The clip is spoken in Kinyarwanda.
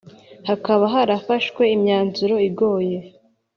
Hakaba harafashwe imyanzuru igoye.